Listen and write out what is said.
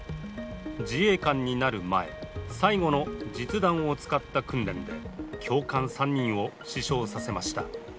自衛官になる前、最後の実弾を使った訓練で教官３人を死傷させました。